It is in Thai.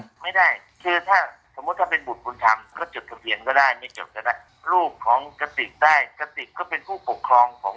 ไม่ได้คือถ้าสมมุติถ้าเป็นบุตรบุญธรรมก็จบทะเพียงก็ได้ไม่จบก็ได้